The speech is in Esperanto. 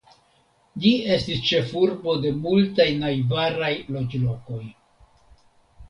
Ĝi estis ĉefurbo de multaj najbaraj loĝlokoj.